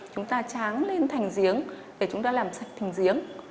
chúng ta tráng lên thành giếng để chúng ta làm sạch thành giếng